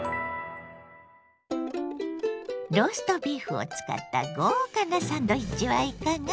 ローストビーフを使った豪華なサンドイッチはいかが？